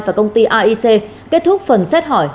và công ty aic kết thúc phần xét hỏi